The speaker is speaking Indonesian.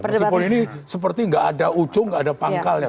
masih polisi seperti nggak ada ujung nggak ada pangkal ya